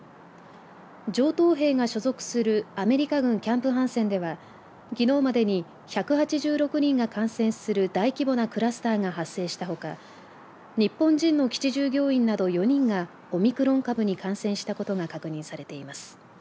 上等兵が所属するアメリカ軍キャンプハンセンではきのうまでに１８６人が感染する大規模なクラスターが発生したほか日本人の基地従業員など４人がオミクロン株に感染したことが確認されています。